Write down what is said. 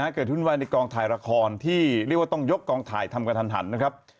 วุ่นวายในกองถ่ายละครที่เรียกว่าต้องยกกองถ่ายทำกระทันนะครับ